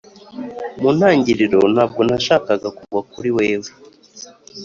mu ntangiriro, ntabwo nashakaga kugwa kuri wewe